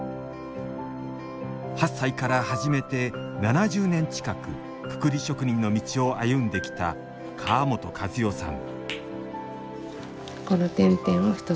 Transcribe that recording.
８歳から始めて７０年近くくくり職人の道を歩んできた川本和代さん